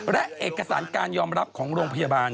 และเอกสารการยอมรับของโรงพยาบาล